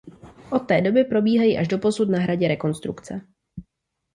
Od té doby probíhají až doposud na hradě rekonstrukce.